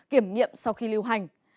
kiểm nghiệm sau khi lưu hành